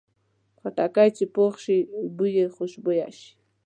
خټکی چې پوخ شي، بوی یې خوشبویه شي.